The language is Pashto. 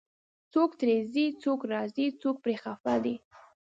څوک ترې ځي، څوک راځي، څوک پرې خفه دی